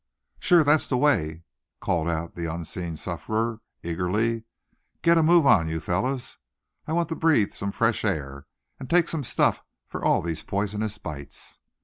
"Sure, that's the way!" called out the unseen sufferer, eagerly. "Get a move on you, fellers. I want to breathe some fresh air, and take some stuff for all these poisonous bites."